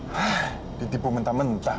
hah ditipu mentah mentah